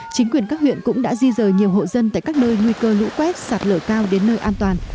chính quyền các huyện cũng đã di rời nhiều hộ dân tại các nơi nguy cơ lũ quét sạt lở cao đến nơi an toàn